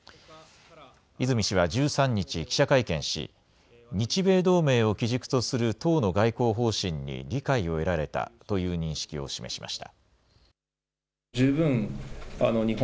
泉氏は１３日、記者会見し日米同盟を基軸とする党の外交方針に理解を得られたという認識を示しました。